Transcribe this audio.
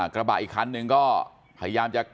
กระบะอีกคันนึงก็พยายามจะ